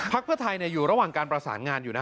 เพื่อไทยอยู่ระหว่างการประสานงานอยู่นะ